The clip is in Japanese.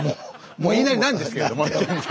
もう言いなりなんですけれども現在。